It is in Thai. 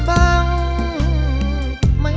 ไม่ใช้